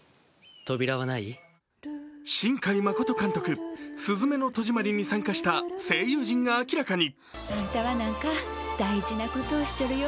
新海誠監督「すずめの戸締まり」に参加した声優陣が明らかに。